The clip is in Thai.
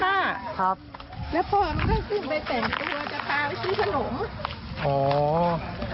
แล้วพ่อเขาขึ้นไปแต่งตัวจะพาไปซื้อขนมอ๋อ